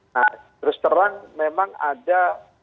nah terus terang memang ada